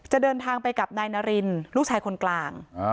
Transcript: เดินทางไปกับนายนารินลูกชายคนกลาง